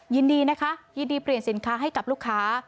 ยินดีนะคะยินดีเปลี่ยนสินค้าให้กับลูกค้า